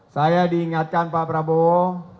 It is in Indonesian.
saya diingatkan pak prabowo